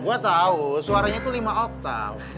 gue tau suaranya tuh lima otal